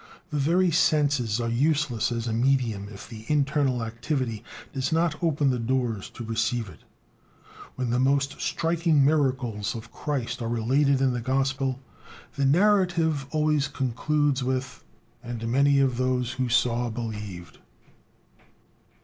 The very senses are useless as a medium if the internal activity does not open the doors to receive it. When the most striking miracles of Christ are related in the gospel, the narrative always concludes with: "And many of those who saw, believed."